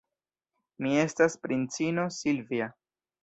Mi estas princino Silvja.